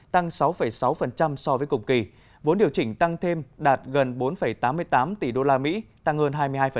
tăng sáu sáu so với cùng kỳ vốn điều chỉnh tăng thêm đạt gần bốn tám mươi tám tỷ đô la mỹ tăng hơn hai mươi hai